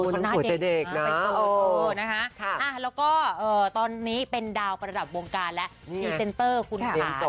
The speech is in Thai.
แล้วก็ตอนนี้เป็นดาวประดับวงการและดีเซ็นเตอร์คุณภาษา